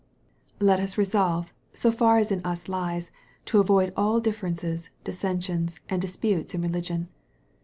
Let us resolve, so far as in us lies, to avoid all differ ences, dissensions, and disputes in religion.